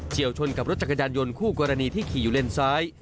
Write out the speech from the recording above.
ชนกับรถจักรยานยนต์คู่กรณีที่ขี่อยู่เลนซ้าย